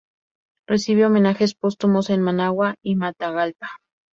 Recibe homenajes póstumos en Managua y Matagalpa.